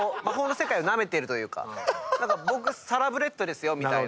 僕サラブレッドですよみたいな。